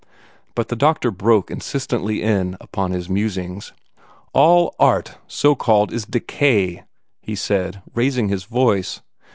But the doctor broke insistently in upon his musings. "All art, so called, is decay," he said, raising his voice.